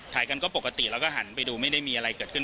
เราก็หันไปดูไม่ได้มีอะไรเกิดขึ้น